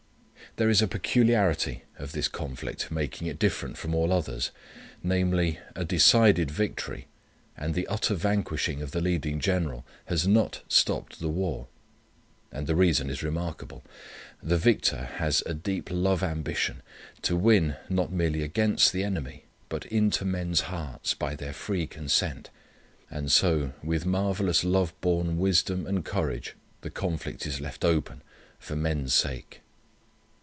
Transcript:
There is one peculiarity of this conflict making it different from all others; namely, a decided victory, and the utter vanquishing of the leading general has not stopped the war. And the reason is remarkable. The Victor has a deep love ambition to win, not merely against the enemy, but into men's hearts, by their free consent. And so, with marvellous love born wisdom and courage, the conflict is left open, for men's sake.